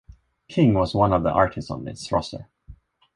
King was one of the artists on its roster.